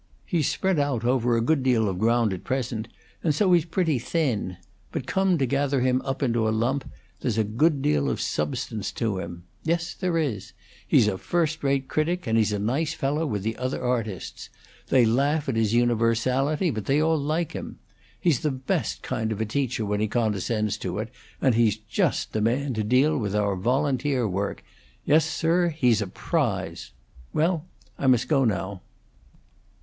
He's spread out over a good deal of ground at present, and so he's pretty thin; but come to gather him up into a lump, there's a good deal of substance to him. Yes, there is. He's a first rate critic, and he's a nice fellow with the other artists. They laugh at his universality, but they all like him. He's the best kind of a teacher when he condescends to it; and he's just the man to deal with our volunteer work. Yes, sir, he's a prize. Well, I must go now."